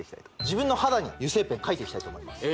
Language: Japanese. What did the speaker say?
自分の肌に油性ペン描いていきたいと思います